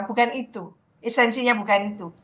bukan itu esensinya bukan itu